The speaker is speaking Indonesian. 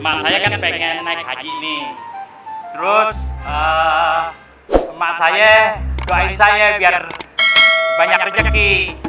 mama saya kan pengen naik haji ini terus emak saya doain saya biar banyak rezeki